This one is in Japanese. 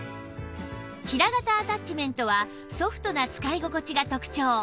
平型アタッチメントはソフトな使い心地が特長